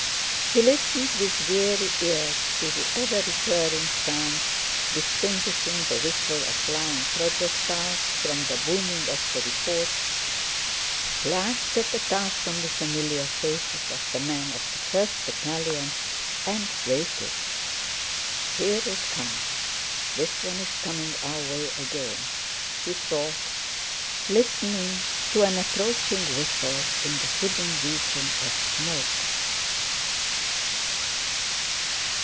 He listened with weary ears to the ever recurring sounds, distinguishing the whistle of flying projectiles from the booming of the reports, glanced at the tiresomely familiar faces of the men of the first battalion, and waited. "Here it comes... this one is coming our way again!" he thought, listening to an approaching whistle in the hidden region of smoke.